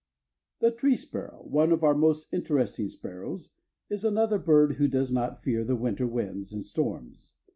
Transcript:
The tree sparrow, one of our most interesting sparrows, is another bird who does not fear the winter winds and storms.